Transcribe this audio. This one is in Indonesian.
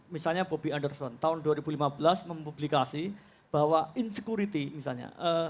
misalnya bobby underson tahun dua ribu lima belas mempublikasi bahwa insecurity misalnya